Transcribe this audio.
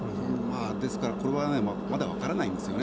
ですから、これはまだわからないんですよね。